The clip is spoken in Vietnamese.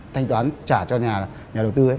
thanh toán trả cho nhà đầu tư